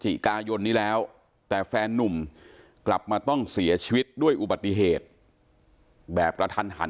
กายนนี้แล้วแต่แฟนนุ่มกลับมาต้องเสียชีวิตด้วยอุบัติเหตุแบบกระทันหัน